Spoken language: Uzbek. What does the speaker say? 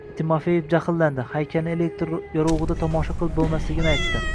Timofeev jahllandi, haykalni elektr yorugʻida tomosha qilib boʻlmasligini aytdi.